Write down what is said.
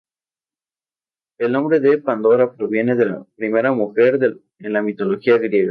El nombre de Pandora proviene de la primera mujer en la mitología griega.